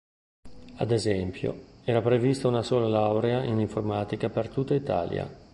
Ad esempio, era prevista una sola Laurea in Informatica per tutta Italia.